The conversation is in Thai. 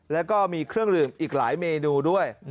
แล้วก็มีเครื่องดื่มอีกหลายเมนูด้วย